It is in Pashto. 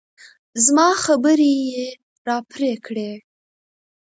زما خبرې يې راپرې کړې.